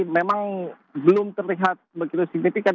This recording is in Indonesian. memang belum terlihat begitu signifikan